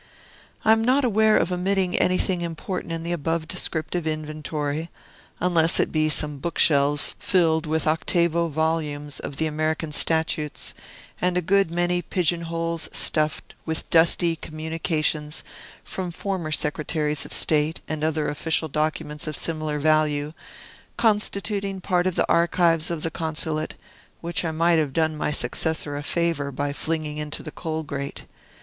I am not aware of omitting anything important in the above descriptive inventory, unless it be some book shelves filled with octavo volumes of the American Statutes, and a good many pigeon holes stuffed with dusty communications from former Secretaries of State, and other official documents of similar value, constituting part of the archives of the Consulate, which I might have done my successor a favor by flinging into the coal grate.